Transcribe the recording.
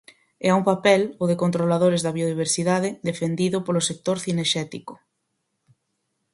E a un papel, o de controladores da biodiversidade, defendido polo sector cinexético.